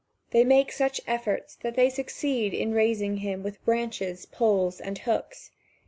They make such efforts that they succeed in raising him with branches, poles and hooks.